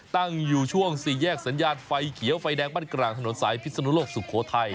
ตั้งอยู่ช่วงสี่แยกสัญญาณไฟเขียวไฟแดงบ้านกลางถนนสายพิศนุโลกสุโขทัย